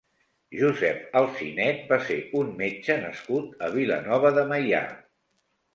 Josep Alsinet va ser un metge nascut a Vilanova de Meià.